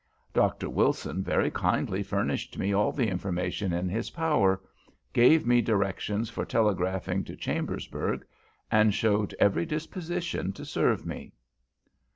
Dr. Wilson very kindly furnished me all the information in his power, gave me directions for telegraphing to Chambersburg, and showed every disposition to serve me.